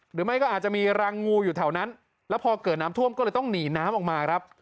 หรือไม่ก็อาจจะมีรังงูอยู่แถวนั้นแล้วพอเกิดน้ำท่วมก็เลยต้องหนีน้ำออกมาครับ